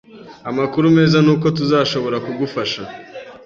Amakuru meza nuko tuzashobora kugufasha